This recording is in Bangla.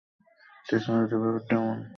টেকনোলজির ব্যাপারটাই এমন।